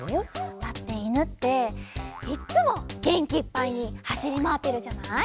だっていぬっていっつもげんきいっぱいにはしりまわってるじゃない？